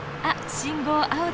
信号青だ。